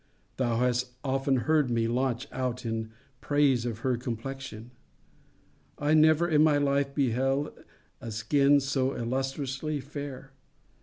Thou hast often heard me launch out in praise of her complexion. I never in my life beheld a skins so illustriously fair.